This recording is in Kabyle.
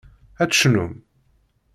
Ad tecnum?